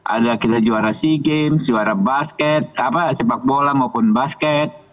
ada kita juara sea games juara basket sepak bola maupun basket